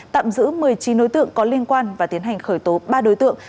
tạm giữ một mươi chín đối tượng có liên quan và tiến hành khởi tố ba đối tượng